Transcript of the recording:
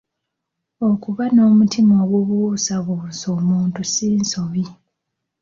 Okuba n’omutima ogubuusabuusa omuntu si nsobi.